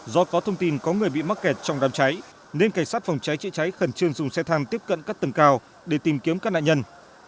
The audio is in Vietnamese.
do có thông tin có người bị mắc kẹt trong đám cháy nên cảnh sát phòng cháy chữa cháy khẩn trương dùng xe thang tiếp cận các tầng cao để tìm kiếm các nạn nhân